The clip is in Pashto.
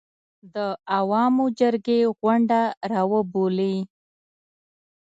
د عوامو جرګې غونډه راوبولي